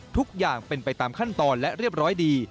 ทุกอย่างเป็นไปตามขั้นตอนและเรียบร้อยดี